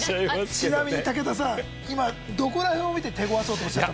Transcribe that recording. ちなみに武田さん今どこら辺を見て手ごわそうとおっしゃったんですか？